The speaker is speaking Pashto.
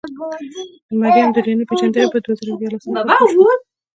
د مریم درانۍ پېژندنه په دوه زره ديارلسم کال کې وشوه.